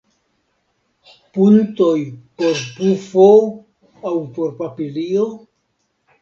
Puntoj por pufo aŭ por papilio?